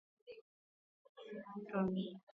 What are "you" on?